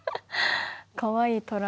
かわいいトラ。